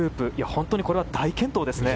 本当にこれは大健闘ですね。